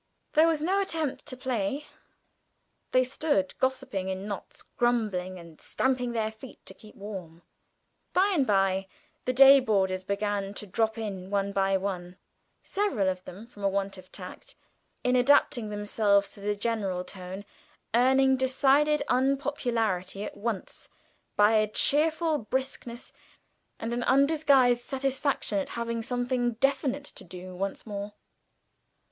There was no attempt to play. They stood gossiping in knots, grumbling and stamping their feet to keep warm. By and by the day boarders began to drop in one by one, several of them, from a want of tact in adapting themselves to the general tone, earning decided unpopularity at once by a cheerful briskness and an undisguised satisfaction at having something definite to do once more.